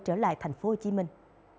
trở lại thành phố hồ chí minh